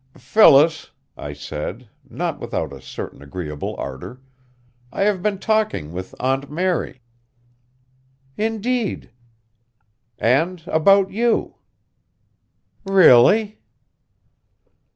"Phyllis," I said, not without a certain agreeable ardor, "I have been talking with Aunt Mary." "Indeed?" "And about you." "Really?"